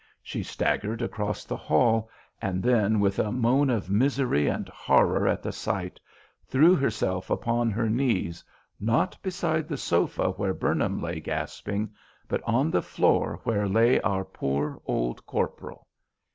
She staggered across the hall, and then, with a moan of misery and horror at the sight, threw herself upon her knees, not beside the sofa where Burnham lay gasping, but on the floor where lay our poor old corporal.